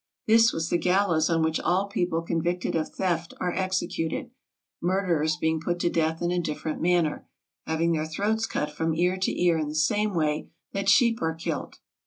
This was the gallows on which all people convicted of theft are executed ; murderers being put to death in a differ ent manner, having their throats cut from ear to ear in the same way that sheep are killed.